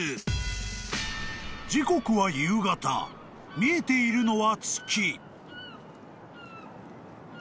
［時刻は夕方見えているのは月］